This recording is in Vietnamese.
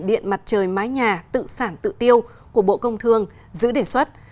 điện mặt trời mái nhà tự sản tự tiêu của bộ công thương giữ đề xuất